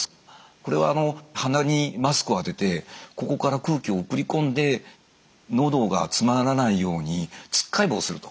これは鼻にマスクを当ててここから空気を送り込んでのどが詰まらないようにつっかえ棒をすると。